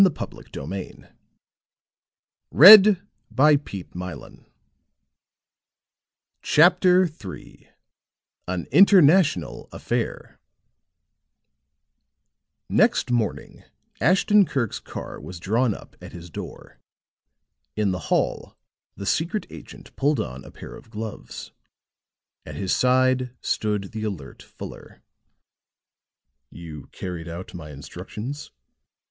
And so the door closed behind her CHAPTER III AN INTERNATIONAL AFFAIR Next morning Ashton Kirk's car was drawn up at his door; in the hall, the secret agent pulled on a pair of gloves; at his side stood the alert Fuller. "You carried out my instructions?"